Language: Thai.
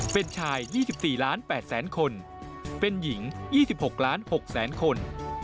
เป็นชาย๒๔ล้าน๘แสนคนเป็นหญิง๒๖๖๐๐๐คน